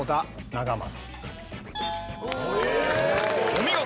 お見事！